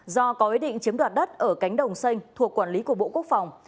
do có ý định chiếm đoạt đất ở cánh đồng xanh thuộc quản lý của bộ quốc phòng